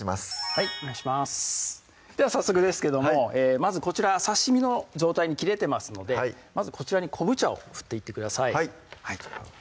はいお願いしますでは早速ですけどもまずこちら刺身の状態に切れてますのでまずこちらに昆布茶を振っていってください